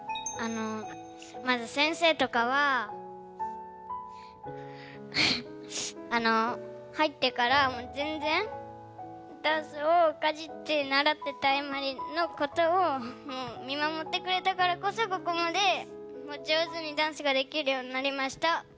あのまず先生とかはあの入ってからぜんぜんダンスをかじって習ってたエマリのことを見守ってくれたからこそここまで上手にダンスができるようになりました。